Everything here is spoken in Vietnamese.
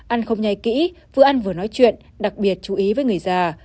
ăn không nhai kỹ vừa ăn vừa nói chuyện đặc biệt chú ý với người già